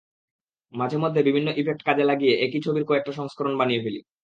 মাঝেমধ্যে বিভিন্ন ইফেক্ট কাজে লাগিয়ে একই ছবির কয়েকটা সংস্করণ বানিয়ে ফেলি।